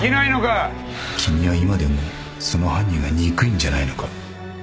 君は今でもその犯人が憎いんじゃないのか？